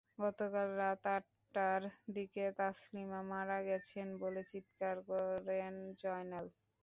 গতকাল রাত আটটার দিকে তাসলিমা মারা গেছেন বলে চিত্কার করেন জয়নাল।